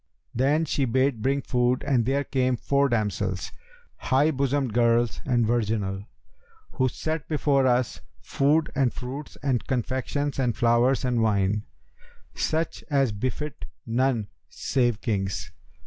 Then she bade bring food and there came four damsels, high bosomed girls and virginal, who set before us food and fruits and confections and flowers and wine, such as befit none save kings.